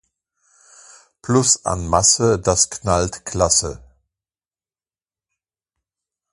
Plus an Masse, daß knallt klasse.